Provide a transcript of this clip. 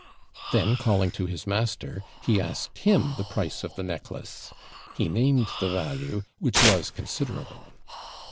Then, calling to his master, he asked him the price of the necklace; he named the value, which was considerable.